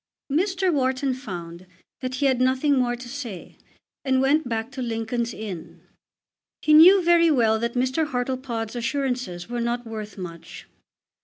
Mr. Wharton found that he had nothing more to say, and went back to Lincoln's Inn. He knew very well that Mr. Hartlepod's assurances were not worth much.